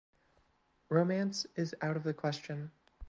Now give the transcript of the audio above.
Romance is out of the question.